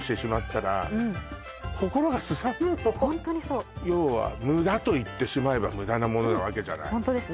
ホントにそう要は無駄と言ってしまえば無駄なものなわけじゃないホントですね